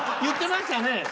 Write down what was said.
言ってましたね。